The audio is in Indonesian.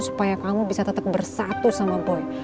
supaya kamu bisa tetap bersatu sama boy